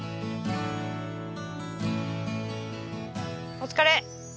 お疲れ！